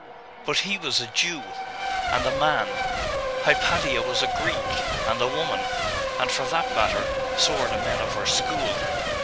But he was a Jew, and a man: Hypatia was a Greek, and a woman and for that matter, so were the men of her school.